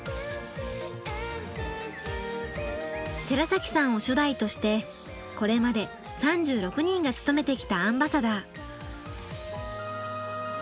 寺崎さんを初代としてこれまで３６人が務めてきたアンバサダー。